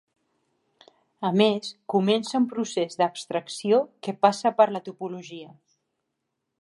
A més comença un procés d'abstracció que passa per la topologia.